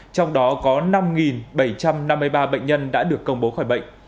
trong đó có năm bảy trăm năm mươi ba bệnh nhân đã được công bố khỏi bệnh